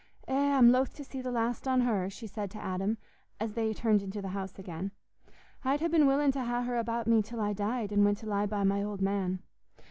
"Eh, I'm loath to see the last on her," she said to Adam, as they turned into the house again. "I'd ha' been willin' t' ha' her about me till I died and went to lie by my old man.